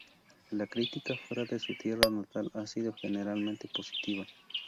La crítica fuera de su tierra natal ha sido generalmente positiva.